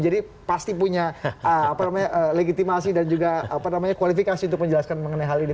jadi pasti punya legitimasi dan juga kualifikasi untuk menjelaskan mengenai hal ini